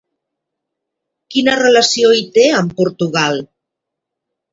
Quina relació hi té, amb Portugal?